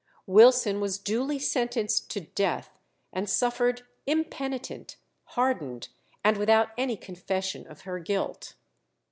Wilson was duly sentenced to death, and suffered impenitent, hardened, and without any confession of her guilt.